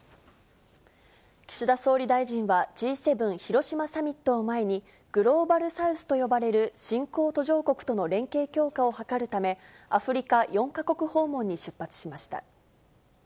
岸田総理大臣はＧ７広島サミットを前に、グローバルサウスと呼ばれる新興・途上国との連携強化を図るため、アフリカ４か国訪問に出発しました。